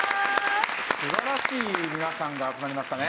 素晴らしい皆さんが集まりましたね。